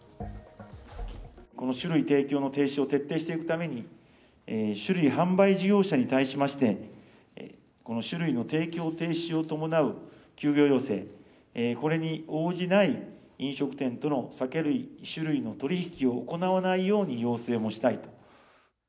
この酒類提供の停止を徹底していくために、酒類販売事業者に対しまして、この酒類の提供停止を伴う休業要請、これに応じない飲食店との酒類の取り引きを行わないように要請もしたい。